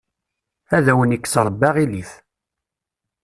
Ad awen-ikkes Rebbi aɣilif.